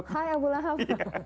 hai abu lahab